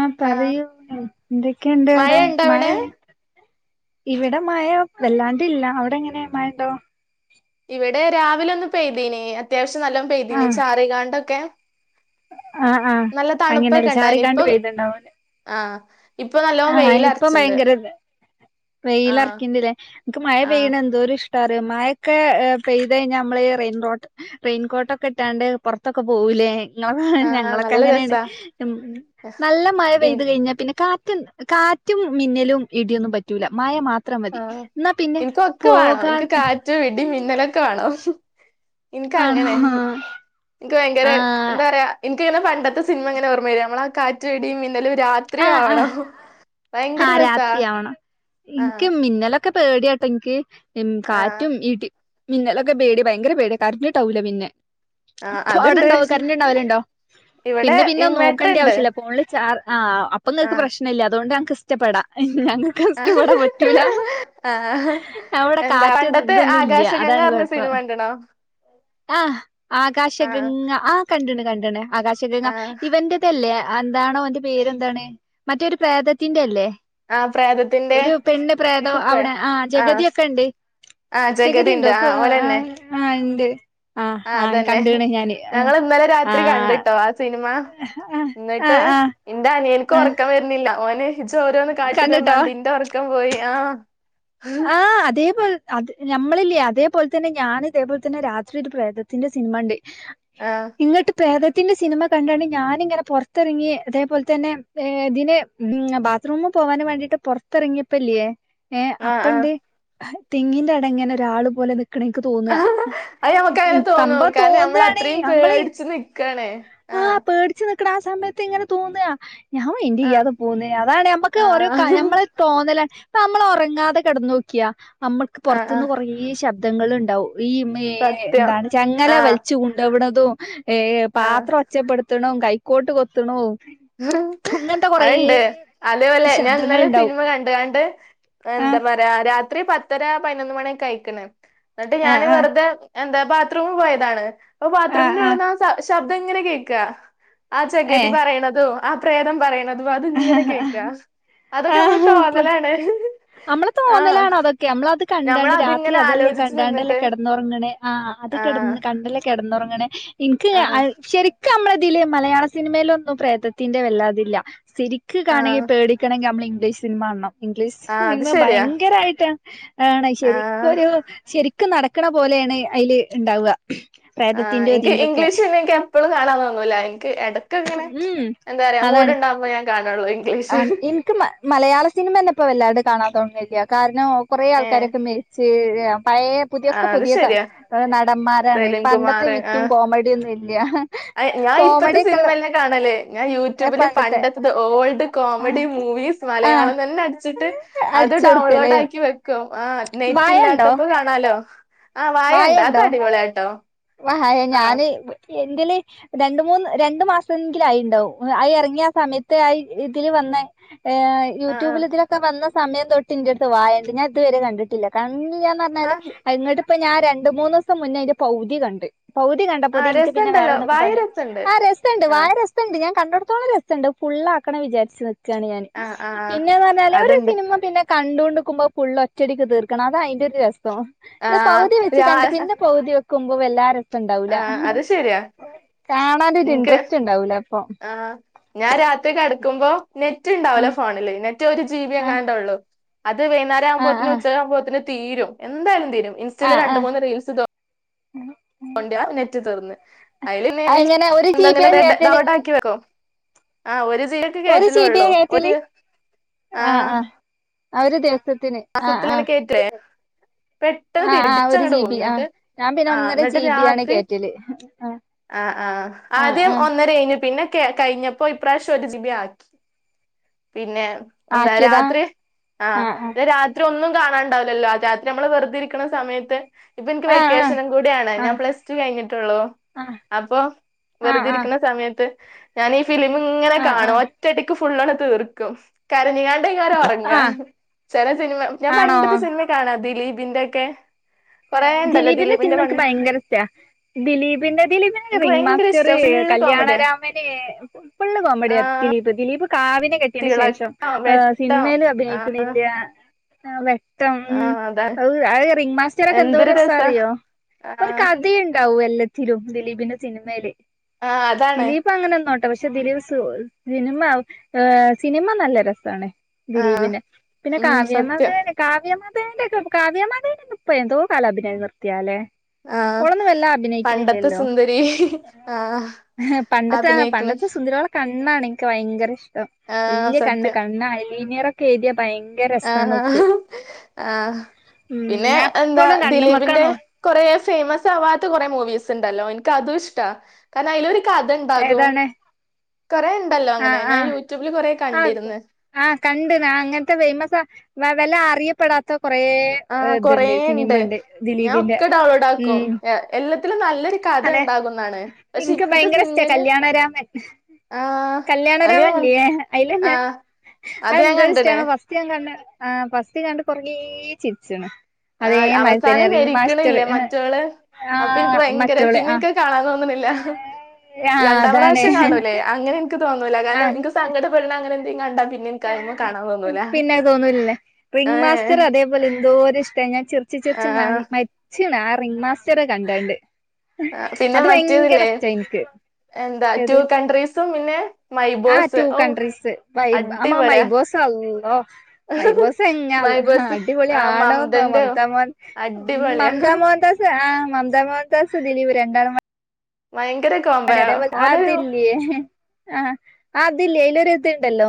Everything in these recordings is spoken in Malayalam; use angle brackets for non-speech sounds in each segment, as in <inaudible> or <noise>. ആ പറയൂ എന്തൊക്കെണ്ട് മഴ അവിടെ ഇണ്ട മഴ അവിടെ ഇവിടെ മഴ വല്ലാണ്ടില്ല അവിടെ എങ്ങനെ മഴണ്ടോ ഇവിടെ രാവില ഒന്ന് പേയ്തീനി അത്യാവശ് നല്ലോം പെയ്തീനി ആഹ് ചാറിങ്ങാണ്ടൊക്കെ ആഹ് ആ അങ്ങനെ തണുപ്പൊക്കെ ഇണ്ടായിനി ചാറികാണ്ട് ഇപ്പൊ പെയ്തുണ്ടാവുംലെ ആഹ് ഇപ്പൊ നല്ലോം ആഹ് ഇപ്പൊ വെയിലറച്ചിണ്ട് ഭയ്ങ്കരത് ആഹ് വെയിലറിക്കിണ്ടിലേ ഇൻക്ക് മയ ആഹ് പെയ്യ്ണ എന്തോരിഷ് ഇഷ്ട ടാറിയോ മയൊക്കെ പെയ്തൈഞ്ഞാ ഞമ്മളീ റെയിൻ റോട്ട് റെയിൻകോട്ടൊക്കെ ഇട്ടാണ്ട് പുറത്തൊക്കെ പോവൂലേ ആഹ് ഞങ്ങളൊക്കെ നല്ല അങ്ങനേണ് രസാ ഉം നല്ല മയ ഇൻ പെയ്ത് കൈഞ്ഞാ പിന്നെ കാ കാറ്റും മിന്നലും ഇടിയൊന്നും പറ്റൂല മഴ മാത് ആ ഇക് ഒക്കെ വിണം എനിക്ക് കാറ്റ് ഇടി മിന്ന് ന്നലക്കെ വാണം ഇൻക്ക് ആണോ അങ്ങനെ ൻക് ഭയ്ങ്കര ആഹ് എന്താ പറയാ ന്കിങ്ങനെ പണ്ടത്തെ സിനമങ്ങനെ ഓർമ വര നമ്മളാ കാറ്റ് ഇടി മിന്നലും ആഹ് രാത്രിയാവണം ആഹ് ആഹ് രാത്രി ആവണം ആഹ് ഇക്ക് മിന്നലൊ ക്കെ പേടിയാട്ടോ ഇൻക് ഉം ആഹ് കാറ്റും ഇടി മിന്നലൊക്കെ പേടിയ ഭയങ്കര പേടിയ കറൻ്റ് ഇണ്ടാവൂല പിന്നെ ആഹ് അത്ണ്ട് അവിടെണ്ടാവൊ കരണ്ട് ആണ്ടാവലുണ്ടോ ഇവിടെ പിന്നെ പിന്നെ ഇൻവേർട്ടർ നോക്കേണ്ട്യെ ഇണ്ട് ആവശ്യല്ല ഫോണില് ചാർ ആഹ് അപ്പൊ നിങ്ങക്ക് ആഹ് പ്രശ്നം ഇല്ല അതുകൊണ്ട് ഞങ്ങക്ക് ഇഷ്ടപ്പെടാ ഞങ്ങക്ക് ഇഷ്ടപ്പെടാൻ പറ്റൂല ആഹ് അവിടെ എന്താ കാറ്റ് പണ്ടത്തെ ഇതൊന്നുല്ല ആകാശഗംഗ അതാണ് പറഞ്ഞ കൊയ്പ്പം സിനിമ കണ്ട്ണോ ആഹ് ആഹ് ആകാശഗംഗ ആഹ് കണ്ട്ണ് കണ്ടണ് ആകാശംഗ ആഹ് ഇവന്റതല്ലേ എന്താണ് ഓന്റെ പേര്ന്താണ് മറ്റെ ഒരു പ്രേത ത്തിന്റെല്ലേ ആഹ് പ്രേതത്തിന്റെ ഒരു പെണ്ണ് പ്രേതം ഇൻക്ക് പ്രേ അവിടെ ആഹ് ജഗതിയൊക്കെ ഇണ്ട് ആഹ് ജഗതി ജഗതിണ്ട് ഇണ്ടോ ആഹ് ഓലെന്നെ ആഹ് ഉ ഇണ്ട് ആഹ് അതന്നെ ഞങ്ങള് ഇന്നലെ ആ രാത്രി കണ്ടിട്ടോ ആ സിനി ആ ഇന്നിട്ട് ആ ഇന്റെ ആ അനിയന്ക്കൊർക്കം വെര്നില്ല ഓന് ചോരോന്ന് കാട്ടി കണ്ടിട്ടോ തന്നണ്ട് ഇൻ്റെ ഉറക്കം പോയി ആഹ് ആഹ് അതേപോലെ അത് ഞമ്മളില്ലേ അതേപോലെ തന്നെ ഞാൻ അതേപോലെ തന്നെ രാത്രി ഒരു പ്രേതത്തിന്റെ സിനിമ കണ്ട് ആഹ് ഇങ്ങട്ട് പ്രേത ന്നിട്ട് സിനിമ കണ്ടണ്ട് ഞാനിങ്ങനെ പൊറത്തിറങ്ങി അതേപോലെ തന്നെ ഇതിന് ബാത്റൂമിൽ പോവാൻ വേണ്ടിയിട്ട് പുറത്തിറങ്ങിയപ്പല്ലേ ഏ അ ആഹ് പ്പണ്ട് തെങ്ങിന്റെടെ ഇങ്ങനെ ഒരാളു പോലെ നി ആ അത് ഞമക്ക് അങ്ങനെ തോന്നും സംഭവം കാരണം ഞമ്മള് തോന്നാണേ അത്രയും നമ്മള് പേടിച്ചു നിക്കാണ് ആഹ് ആ സമയത്ത് ഇങ്ങനെ തോന്ന ഞാൻ മൈൻഡ് ആഹ് ചെയ്യാതെ പോന്ന് അതാണ് ഞമ്മക്ക് ആഹ് ഓരോ ഞമ്മള് തോന്നലാണ് നമ്മള് ഉറങ്ങാതെ കെടന്നു നോക്കിയാ നമ്മൾക്ക് ആഹ് പുറത്തുന്ന് ആഹ് കുറേ ശബ്ദം ശബ്‌ദങ്ങൾ ഉണ്ടാവും ഈ മ്മേ സത്യം എന്താണ് ചങ്ങല ആഹ് വലിച്ച കൊണ്ട് വണത് തും ഏഹ് ആഹ് പാത്രം ഒച്ചെപ്പെടു കൊത്തണും കൈക്കോട്ട് കൊത്തണും ഇങ്ങനത്തെ കൊറേ അതുണ്ട് അതേപോലെ ഞാൻ ശബ്ദങ്ങൾ ഇന്നലെ ഉണ്ടാവും സിനിമ കണ്ട് കണ്ട് എന്താ ആഹ് പ രാത്രി പത്തര പതിനൊന്ന് മണിക്കായിക്ണ് ആഹ് എന്നിട്ടുഞാന് ആഹ് വെറുതെ എന്താ, ബാത്റൂമ് പോയതാണ്. അ, ആഹ് ആഹ് ബാത്റൂമിനുള്ളിന്നാ ശബ് ശബ്ദമിങ്ങനെ കേക്ക ആ 'ജ ഗതിപറയണത് ഓ.. ആ, പ്രേതം പറയണത് അഥവാ അതിങ്ങനെ ഏഹ് കേക്ക അതൊക്കെ നമ്മള്തോന്നലാണ്. നമ്മള്തോന്നലാണ തൊക്കെ, നമ്മള് കണ്ടാണ്ട് രാത്രി ഞമ്മളതിങ്ങനെ അതല്ലേ ആലോചിച്ച് കണ്ടാണ്ടല്ലേ നിന്നിട്ട് കിടന്നുറങ്ങണെ, ആ.. അതുക, ആഹ് കണ്ടല്ലേ കിടന്നുറങ്ങണേ ആഹ് എനിക്കതുശരി നമ്മളിതില് മലയാള സിനിമയിലൊന്നും പ്രേതത്തിന്റെവല്ലാതില്ല ശരിക്കു കാണെങ്കിൽ ആഹ് പേടിക്കണമെങ്കിൽ നമ്മള് ഇംഗ്ലീഷ് സിനിമ കാണണം, ഇംഗ്ലീഷ് ആഹ് അത് നിന്നെ ശരിയാ ഭയങ്കരമായിട്ടാ <unintelligible> ആണ് ആഹ് ശരിക്കൊരുശരി ഒക്കെനടക്കണ പോലെയാണതിലുണ്ടാവുക. ആ.. എനിക്ക് ഇംഗ്ലീഷ് സിനിമ എനിക്ക് എപ്പോഴും കാണാറൊന്നുമില്ല എനിക്ക് ഇടക്കിങ്ങനെ ഉം എന്താ പറയാ അങ്ങോട്ടുണ്ടാകുമ്പോ ഞാൻ കാണാറുള്ളൂ ആ നിനക്ക് മ മലയാള സിനിമതന്നെ ഇപ്പൊവല്ലാണ്ട്കാണാൻ തോന്നുന്നില്ല. കാരണം കൊറേ ഏഹ് ആൾക്കാരൊക്കെ മരിച്ച്, അ.. പഴയപുതിയൊക്കെ, ആഹ് അത് പുതിയ ശെരിയാ നടന്മാരാണ് സലീം പണ്ടത്തെ കുമാറ് വിറ്റും ആഹ് കോമഡിയൊന്നും ഇല്ല അയ് ഞാൻ ഇപ്പത്തെ കോമഡിയൊക്കെയുള്ളൂ സിനിമന്നെ ഏ.. പണ്ടത്തെ ഓൾഡ്കോമഡിമൂവീസ് ആഹ് മലയാളം എന്നടിച്ചിട്ട്. അടിച്ചു കൊടുക്കല് വാഴ ഉണ്ടോ ഹലോ ആ.. വാഴ ഉണ്ടോ കണ്ടുഅതടി വാഴ ഞാന് എന്തിന്‌ രണ്ടുമൂന്ന്, രണ്ടു മാസമെങ്കിലും ആയിട്ടുണ്ടാവും. വാഴ ഇറങ്ങിയ ആസമയത്ത് ആ.. ഇതിൽ വന്ന ഏ.. ആഹ് ആഹ് യൂട്യൂബിൽ ഇതിനൊക്കെ നല്ല സമയംതൊട്ടു ഇതിനകത്തു വാഴയുണ്ട്. ഞാനിതുവരെ കണ്ടിട്ടില്ല കാരണം ഇന്നുഞാൻ പറഞ്ഞാല് ആഹ് അതിനോടിപ്പം ഞാൻ രണ്ട് മൂന്ന് ദിവസം മുന്നേ അയിന്റെ പകുതി ഇതി കണ്ട് പൗതി ആഹ് കണ്ടപ്പത്തിന് എനിക്ക് പിന്നെ വേറെ രസണ്ടല്ലോ വാഴ പണി രസണ്ട് ആ രസണ്ട് വാഴ ആഹ് രസണ്ട് കണ്ടിടത്തോളം രസണ്ട് ഫുള്ളാക്കണംവിചാരിച്ചു ക്കാണ് ഞാൻ ആഹ് ആഹ് പിന്നെന്ന് പറഞ്ഞാല് ഒരു അതുണ്ട് സിനിമ പിന്നെ കണ്ടുകൊണ്ടുക്കുമ്പോൾഫുള്ള് ഒറ്റടിക്ക് തീർ ആഹ് പൗതി വെച്ച് കണ്ട് പിന്നെ പൗതി കുമ്പം എല്ലാര ആ അത് ശരിയാ കാണാനൊരു എനിക്ക് ഇൻട്രസ്റ്റ് ഉണ്ടാവൂല അപ്പൊ ആഹ ഞാൻ രാത്രി കിടക്കുമ്പോ നെ നെറ്റ് ഉണ്ടാവുല്ല ഉം ഫോണില് നെ ഒരു ജി ബി യ ആഹ് കണ്ടള്ളൂ അത് വൈന്നേരം ആഹ് ആകുമ്പോത്തിന് ആഹ് ഉച്ച ആകുമ്പോത്തിന് തീരും എന്തായാലും തീരും ഇൻസ്റ്റയിൽ ആഹ് രണ്ട് ആഹ് മൂന്ന് റീൽസ് ഇടും ഉണ്ട് അത് നെറ്റ് തീർന്ന് അയ്‌ല് ല്ലേ ഞാന് അങ്ങനെ ഒരു ജി ഇങ്ങനെ ബിയാ ഡൗൺ കേറ്റല് ലോഡ് ഇങ്ങള് ആക്കിവെക്കും ആ ഒര് <unintelligible> ഒരു ജി ബിയാ കേറ്റലള്ളു ഒരു കേറ്റല് ആ ആ ഒര് ദി മാസത്തിലാണ് കേറ്റല് ആ ആ ഒരു ജി ബി ആ ഇന്നട്ട് ഞാൻ പിന്നെ ഒന്നര ജി ബി യാണ് കേറ്റല് ആഹ് ആ ആഹ് ആഹ് ആദ്യം ആഹ് ഒന്നര ഏനു പിന്നെ ക്കെ കഴിഞ്ഞപ്പോ ഇപ്രാവിശ്യം ഒരു ജിബി ആക്കി പിന്നേ എന്താ ആക്കിയതാ രാത്രി ആ ആഹ് രാത്രി ഒന്നും കാണാണ്ടാവില്ലല്ലോ ആ രാത്രി നമ്മൾ വെറുതെ ഇരിക്ക്ണ സമയത്ത് ഇപ്പൊ ഇൻക്ക് ആഹ് ആഹ് വെക്കേഷനും കൂടിയാണ് ഞാൻ ആഹ് പ്ലസ് ടു കഴിഞ്ഞിട്ടുള്ളൂ ആഹ് അപ്പൊ ആഹ് വെറുതെ ഇരിക്ണ ആഹ് സമയത്ത് ഞാനീ ഫിലിം ഇങ്ങനെ ആഹ് ആഹ് കാണും ആഹ് ഒറ്റടിയ്ക്ക് ഫുള്ളാണ് തീർക്കും കരഞ്ഞ് കാ ണ്ടേക്കാരം ഉറങ്ങ ആഹ് ചില സിനിമ ഞാൻ ആണോ പണ്ടത്തെ സിനിമേ കാണാ ദിലീ പി ൻ്റെക്കെ ഏ ദിലീപിന്റെ സിനിമ ഇൻക്ക് ഭയങ്കര ഇഷ്ടാ ദിലീ പിന്റെ ദിലീപിൻ്റെല്ലേ എനിക്ക് റിംങ്ങ് ഭയങ്കര മാസ്റ്റർ' ഇഷ്ടാ ഫുള്ള് കോമഡിയാ കല്യാണരാമന് ഫുൾ കോമഡിയ ആഹ് ദിലീപ് ദിലീപ് കാവ്യ നെ കെട്ടിയേന് ശേഷം തിളക്കം വെട്ടം സിനിമേൽ ആഹ് അഭിനയിക്ക്ണില്ല ആ വെ ട്ടം ഉം ആഹ് അതാണ് അവൂ അഅ് റിങ്മാ സ്റ്റർ ഒക്കെ എന്തോരു എന്തൊരു രസാ രസാറിയോ ഒരു ആഹ് കഥീണ്ടാ വും എല്ലത്തിലും ദിലീപിന്റെ സിനിമേല് ആഹ് അതാണ് ദിലീപ് അങ്ങനെ നിന്നോട്ടെ പക്ഷെ പക്ഷെ ദിലീപ് സിനിമ സിനിമ നല്ല രസാണ് ആഹ് ദിലീപിനെ. പിന്നെ ഉം സത്യം കാവ്യമാധവനെ കാവ്യമാ <unintelligible> കാവ്യാ മാധവനെന്നും ഇപ്പം എന്തോ കാലഭിനയം നിർത്തിയാലേ ആഹ് ഓളൊന്നും വല്ലാ പണ്ടത്തെ അഭിനയിക്ക്ണില്ലല്ലോ സുന്ദരി ആഹ് ഹ് പണ്ടത്തെ അഭിനയിക്ക്ണ് പണ്ടത്തെ സുന്ദരി ഇന്നാണ് ഇൻക്ക് ഭയങ്കര ഇഷ്ട ആഹ് വല്യ കണ്ണ് സത്യം കണ്ണായി സീനിയറൊക്കെ എഴുതി ആഹ് ആഹ് ഉം പിന്നെ ഞാൻ എന്താ ഇപ്പളും കണ്ണുമ്മക്കാ ദിലീപിന്റെ നോ കൊറേസ് ഫേമസ് ആവാത്ത കെറേ മൂവീയസ് ഇണ്ടല്ലോ ഇനിക്കതു ഇഷ്ട കാര്ണം അയ്ലോ ഏതാണ് ഇണ്ടല്ലോ അങ്ങനെ അഹ് ഞാൻ ആഹ് യൂട്യൂബില് കൊറേ ആഹ് കണ്ടിര്ന്ന് ആഹ് കണ്ട് ന അങ്ങൻത്തെ ഫേമസ് ന്നാവെല ആറിയപ്പെടാത്തൊ ആഹ് കൊറേ ഇണ്ട്. ഞാൻ ദിലീപിന്റെ ഒക്കെ ഡൗൺലോഡ് ആക്കും. ഉം എല്ല അതെ. പക്ഷെ ഇൻക്ക് ഇപ്പത്തെ ഭയങ്കര ഇഷ്ടാ സിനിമേല് കല്യാണരാമൻ. ആഹ് അത് ഞാൻ കല്യാണരാമൻല്ലേ അയിലന്നെ. ആഹ് അത് ഞാൻ അതന്തോര് കണ്ട്ണ് ഇഷ്ടാണ് ഫസ്റ്റ് ഞാൻ കണ്ട ആ ഫസ്റ്റ് കണ്ട് കൊറേ ചിരിച്ച്ണ് ആ അതേമാതിരി തന്നെ അവസാനം റിംഗ് മാസ്റ്റർ മരിക്ക്ണില്ലേ മറ്റോൾ ആ അപ്പൊ ഇൻക്ക് ഭ ഭയങ്കര മറ്റോള് പിന്നെ ആ ഇൻക്കത് കാണാൻ തോനണില്ലാ. ആ രണ്ടാം അതാണ് പ്രാശ്യം കാണൂല്ലേ അങ്ങനെ ഇൻ ക് തോന്നൂല. കാരണം ഇൻക്ക് സങ്കടപെടണ അങ്ങനെന്തേം കണ്ടാ പിന്നെ എനിക്ക് അതിമ്മെ ഏയേ... കാണാൻ തോന്നൂല പിന്നെത് തോന്നൂൽലേ... ഏ റിംഗ് മാസ്റ്റർ അതേപോലെ എന്തോര് രിഷ്ടാ ഞൻ ചിർച്ച് ആ ചിർച് മൻ മര് ച്ച്ണ് ആ റിംഗ് മാസ്റ്ററെ കണ്ടാണ്ട്. ആ പിന്നെ അത് ഭയങ്കര മറ്റേതില്ലേ.. ഇഷ്ടാ ഇൻക്ക് എന്താ ടു ഏത് കൺട്രീസും പിന്നെ മൈബോസ്. ഔ... അ ആ മാ മൈബോസളളാഹ്.. മൈബോസ് എങ്ങ ല്ല മൈ ബോസ് അടിപൊളി ആ ആണോന്നോ മമതന്റെ മമ്ത മോഹൻ.. ഉം അടിപൊളിയാ മമ്താ മോഹൻദാസാ ആ മംത മോഹൻദാസ് ദിലീപ് രണ്ടാളും പാ ഭയങ്കര അതെ കോംബോ അതെ പോലത്തെ ഓനൊരു അതില്ലേ ആഹ് അ തില്ലേ.. അയ്ലൊരു ഇതുണ്ടല്ലോ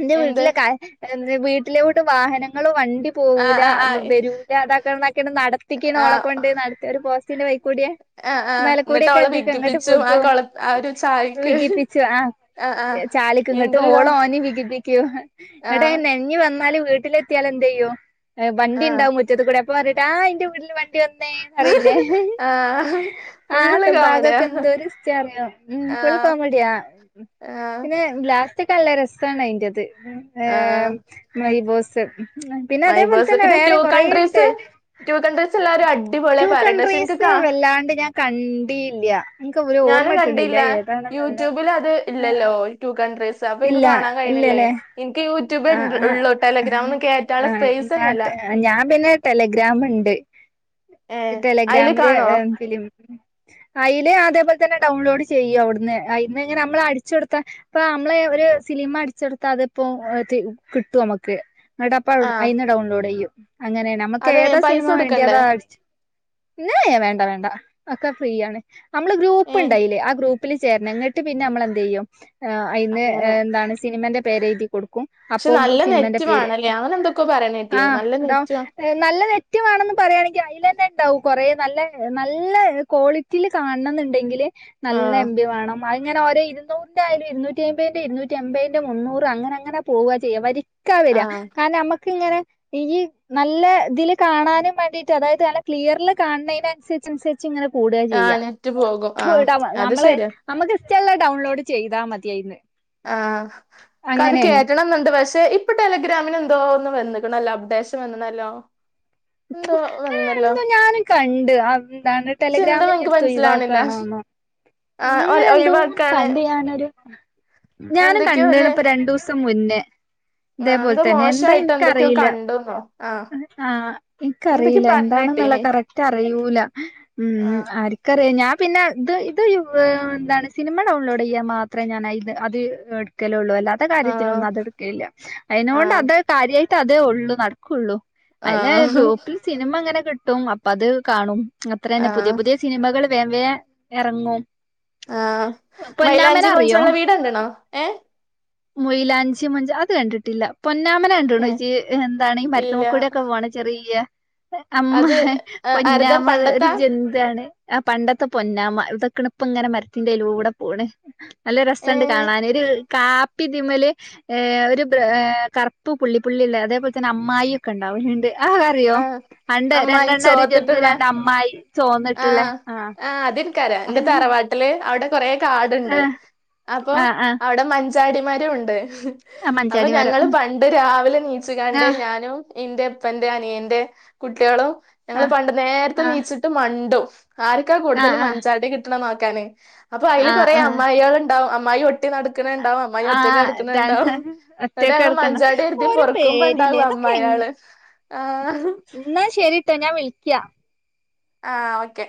ഇന്റെ എന്ത് വീട്ടിലൊക്കെ ആയാ എന്റെ വീട്ടിലോട്ട് വാഹനങ്ങളും വണ്ടി ണ്ടി ആ പോവൂലാ ആ ആ ബെരൂലാ അതാക്കണം ഇതാക്കണം നടത്തിക്കിണ് ഓളെ ആ കൊണ്ട് നടത്തി ഒര് പോസ് പിന്നെ വയ് കുടിയ ആഹ് ആഹ് മേലക്കൂടി എന്നിട്ട് ഒക്കെ അവളെ തിക് വിക്കിപ്പിച്ചു ആ വികും കൊള ആ ഒരു ചായക്ക് വികിപ്പിച്ചു ആ ആഹ് ആഹ് ചാല്ക്ക് ഇങ്ങോട്ട് എന്തൊരു ക ഓള ഓനിം വികിപ്പിക്കൂ ഇങ്ങട്ട ആഹ് നെഞ്ഞ വന്ന വീട്ടിലെത്തിയാല് എന്തയ്യും വണ്ടിണ്ടാവും മുറ്റത്തുകൂടെ പോരടാ ആ എന്റെ വീട്ടിലും വണ്ടി വന്നേ പറയില്ലേ ആ ഹാ ഫുള്ള് കോമഡി എന്തൊരു ഇഷ്ടാ അറിയോ ഫുൾ കോമഡിയാ ആഹ് പിന്നെ ലാസ്റ്റ് നല്ല രസാണ് അയിന്റത് ഏ ആഹ് my boss safe my boss പിന്നെ ടൂ കൺട്രീസ് ടൂ കൺട്രീസ് എല്ലാരും അടിപൊളിയ പറയണ്ട് പക്ഷെ എനിക്ക് കാ കണ്ടില്ലിയ ഞാനും കണ്ടില്ല യൂട്യൂബിൽ അത് ആഹ് ഇല്ലല്ലോ ടു കൺട്രീസ് അപ്പൊ ഇനിക്ക് കാണാൻ കയിണില്ലേ ഇന്ക്ക് ആ ആ കേറ്റാനുള്ള ആഹ് സ്പേസ് ആ തന്നെല്ല ഞാൻ പിന്നെ ടെലഗ്രാാം ഉണ്ട് ഈ ഏഹ് അയില് ടെലഗ്രാമില് കാണോ ഫിലിം അതില് അതേപോലെ തന്നെ ഡൗൺലോഡ് ചെയ്യൂ അവിടുന്ന് അയി അയില് അതേപോലെതന്നെ ഡൗൺലോഡ് ചെയ്യാ അവിടുന്ന് അയിന്ന് ഇങ്ങനെ നമ്മള് അടിച്ചെടുത്താ ഇപ്പ നമ്മള ഒരു ഫിലിം അടിച്ചെടുത്താ അതിപ്പോ കി കിട്ടു അമക്ക് എടാപ്പ ആഹ് അയിന്ന് ഡൗൺലോഡ് ചെയ്യും അങ്ങനെ നമ്മക്ക് ഏതാ അതെങ്ങനെ പൈസ സിനിമ വേണ്ടി കൊടുക്കണ്ടേ അതാ അടച്ച ഇയേ വേണ്ട വേണ്ട ഒക്കെ ഫ്രീയാണ് നമ്മള് ഗ്രൂപ്പ് ഏഹ് ണ്ടയില് ആ ഗ്രൂപ്പ് ആപ്പിൽ ചേരനം ഇങ്ങിട്ട് പിന്നെ നമ്മള എന്ത് യ്യും ആ അയിന്ന് ഏ അങ്ങനെ എന്താണ് സിനിമന്റെ പേര് എഴ്തി കൊട്ക്കും പക്ഷെ നല്ല അപ്പോംങ്ങ്ട്ട് സിനിമന്റെ നെറ്റ് പേര് വേണല്ലേ അങ്ങനെ എന്തൊക്കോ പറയണ കേട്ടീ ആ നല്ല ട്ടോം നെറ്റ് വേ ഏ നല്ല നെറ്റ് മാണംന്ന് പറിയാണെങ്കി അയിലെന്നെ ഇണ്ടാവും കൊറെ നല്ല നല്ല ക്വാളിറ്റിൽ കാണംന്ന് ഇണ്ടെങ്കിൽ നല്ല ആഹ് എം ബി വാണം അയ് ഇങ്ങനെ ഓരെ ഇരുന്നൂർന്റെ ആയാലും ഇരുന്നൂറ്റി അമ്പെയ്ന്റെ ഇരുനൂറ്റി എമ്പെയിന്റെ മുന്നൂർ അങ്ങനെ അങ്ങനെ പോവ ചെയ്യ വരി ക്ക വരാ ആഹ് കാരണം മ്മക്ക് ഇങ്ങനെ ഇനി നല്ല ഇതിൽ കാണാനും വേണ്ടീട്ട് അതായത് നല്ല ക്ലിയർല് കാണനേനനുസരിച്ച് അനുസരി ഇങ്ങനെ കൂടുക ആഹ് ചെയ്യാ നെറ്റ് പോകും ആഹ് അത് നമ്മളെ ശരിയാ നമുക്ക് ചെല്ല ഡൗൺലോഡ് ചെയ്താ മതിയയിന്ന് ആഹ് ക്ക് അത് കേറ്റണം എന്നുണ്ട് പക്ഷേ ശേ ഇപ്പൊ ടെലഗ്രാമിന് എന്തോ ഒന്ന് വന്നുകുണല്ലോ അപ്‌ഡേഷൻ വന്നണല്ലോ എന്തോ അ വന്നല്ലോ എന്തോ ഞാനും കണ്ട് എന്താണ് പക്ഷെ എന്താ ടെലഗ്രാമിന്റെ എനിക്ക് എടുത്ത് മനസ്സിലാവണില്ല ഒഴിവാക്കണന്ന് ആഹ് ഒ അങ്ങനെ എന്തോന്ന് ഒഴിവാക്കാണ് കണ്ട് ഞാനൊരു ഉം ഞാനും എന്തൊക്കെയോ കണ്ട്‌ണ് ഓല് ഇപ്പ രണ്ടുസം മുന്നേ ആഹ് ഇതേപോലെ എന്തോ തന്നെ എന്താ മോശായിട്ട് എന്തൊക്കെയോ എനിക്കറിയില്ല കണ്ടുന്നോ ആഹ് ആ എന്തൊക്കെയോ എനിക്കറില്ല പറഞ്ഞ എന്താണെന്നുള്ള കേട്ടീനി കറക്റ്റ് അറിയൂല ഉം ആഹ് ആര്ക്ക അ ഞാൻ പിന്നെ ഇത് ഇത് എന്താണ് സിനിമ ഡൗൺലോഡ് ചെയ്യാൻ മാത്രമേ ഞാൻത് അത് എടുക്കലള്ളൂ അല്ല അല്ലാതാ ആഹ് കാര്യത്തിനൊന്നും അതെടുക്കലില്ല അതിനൊണ്ട് ആഹ് അത് കാര്യായി ത അതേ ഒള്ളൂ നടുക്കുള്ളു അയിന് ആഹ് ഗ്രൂപ്പിൽ സിനിമ അങ്ങനെകിട്ടു ട്ടും അപ്പത് കാണും അത്ര തന്നെ പുതിയ ആഹ് പുതിയ സിനിമകള് വേവേം എറങ്ങും ആഹ് പൊന്നാമന മൈലാഞ്ചി അറിയോ മോഞ്ച്ചുള്ള വീട്ണ്ടണോ ഏ മൊയിലാഞ്ചി മഞ്ച അത് കണ്ടിട്ടില്ല പൊന്നാമനണ്ടണ് ഏ ഇജ്ജ് എന്താണ് ഈ ഇല്ല മരുത്തുമൊക്കൂട ഒക്കെ പോണ ചെറിയ അമ്മ അത് ആരതാ പൊന്നാമ ഒരു പണ്ടത്താ ജന്തുആണ് ആ പണ്ടത്തെ പൊന്നാമ ഇതൊക്കെണു പ്പ ഇങ്ങനെ മരത്തിന്റെ അലൂടെ പോണ് നല്ലരു ഏ രസുണ്ട് കാണാന് ഒരു കാപ്പ് തിമല് ഒരു ബ കറുപ്പ്‌ പുള്ളി പുള്ളില്ല അതേപോലെ തന്നെ അമ്മായി ഒക്കെ ഉണ്ടാവും ന്റെ ആ അറിയോ ആഹ് അണ്ട് അമ്മായി രണ്ടെണ്ണ ഒരു ചോത്തിട്ടുള്ള ജന്തുര്ന്റെ അമ്മായി ചോന്നിട്ടുള്ളേ ആഹ് ആ കുറേ കാട്ണ്ട് അപ്പോ ആഹ് അവിടെ മൻച ഞ്ചാടിമരൂണ്ട് ഹ് ആ അപ്പൊ മഞ്ചാടി മരം ഞങ്ങള് ഉം പണ്ട് രാവിലെ നീച്ങ്കാണ്ട് ആഹ് ഞാനും ഇൻ്റെപ്പൻ ഇന്റെ അനിയന്റെ കുട്ട്യോളും ഞങ്ങള് പണ്ട് നേരത്തെ ആഹ് നീച്ചിട്ട് മണ്ടും ആർക്കാ കൂടുതല് ആഹ് ആഹ് മഞ്ചാടി കിട്ടണന്ന് <unintelligible> കണ് അപ്പൊ ആഹ് അയില് ആഹ് കൊറെേ ആഹ് അമ്മായേള്ണ്ടാവും അം മയോട് നടക്കണുണ്ടാവും അമ്മായി ഒറ്റക്ക് ആഹ് താണ് നടക്കണുണ്ടാവും എന്നിട്ട് ഒറ്റക്ക് ഞങ്ങള് കെടക്കണ മഞ്ചാടി ഇരുതി ഓരോ പൊറക്കുമ്പോണ്ടാവും അമ്മായേള്. ഇന്നാ ശെ രിട്ടോ ഞാൻ വിളിക്കാ ആഹ് ഓക്കെ